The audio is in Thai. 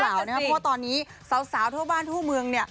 เพราะว่าตอนนี้สาวทั่วบ้านทั่วเมืองเนี่ย